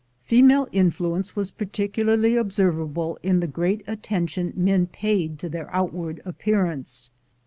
Female influence was particularly observable in the great attention men paid to their outward appearance.